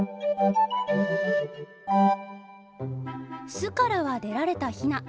巣からは出られたヒナ。